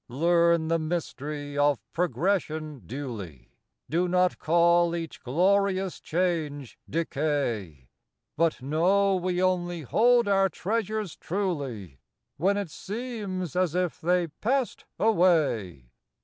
Learn the mystery of Progression duly ; Do not call each glorious change, Decay; But know we only hold our treasures truly, When it seems as if they passed away.